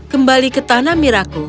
kembali ke tanah mirako